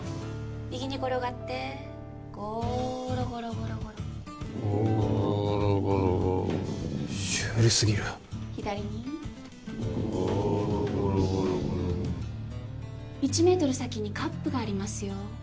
右に転がってゴーロゴロゴロゴロゴーロゴロゴロゴロシュールすぎる左にゴーロゴロゴロゴロ１メートル先にカップがありますよ